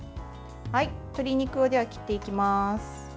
鶏肉を切っていきます。